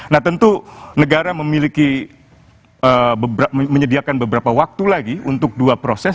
nah tentu negara memiliki menyediakan beberapa waktu lagi untuk dua proses